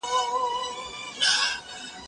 زه اجازه لرم چي نان وخورم!.